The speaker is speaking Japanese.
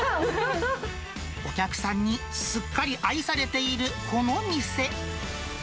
お客さんにすっかり愛されているこの店。